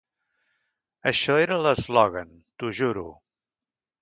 Això era l'eslògan, t'ho juro.